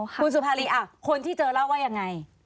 คุณสุภารีคนที่เจอเล่าว่ายังไง